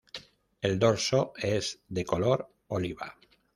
El dorso es de color oliva.